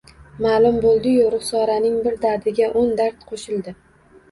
Ma`lum bo`ldi-yu, Ruxsoraning bir dardiga o`n dard qo`shildi